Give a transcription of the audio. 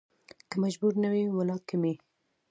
که مجبور نه وى ولا کې مې